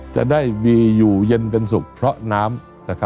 จะได้มีอยู่เย็นเป็นสุขเพราะน้ำ